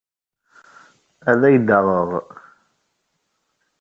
Ad ak-d-aɣeɣ.